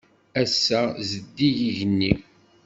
Ass-a, zeddig yigenni.